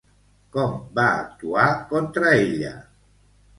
Com va actuar contra ella?